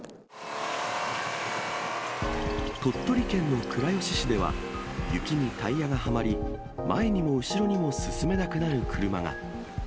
鳥取県の倉吉市では、雪にタイヤがはまり、前にも後ろにも進めなくなる車が。